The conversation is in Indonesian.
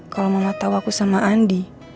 kalau mama tahu aku sama andi